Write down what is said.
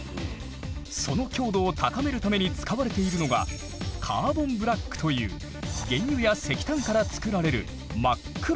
その強度を高めるために使われているのがカーボンブラックという原油や石炭から作られる真っ黒な素材。